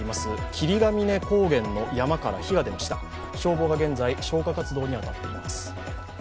霧ヶ峰高原で火が出ました、消防が現在消火活動に当たっています。